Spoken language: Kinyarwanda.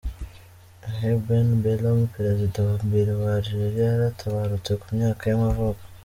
Ahmed Ben Bella, perezida wa mbere wa Algeria yaratabarutse, ku myaka y’amavuko.